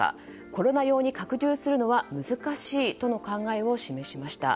コロナ用に拡充するのは難しいとの考えを示しました。